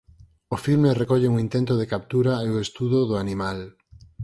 O filme recolle un intento de captura e o estudo do animal.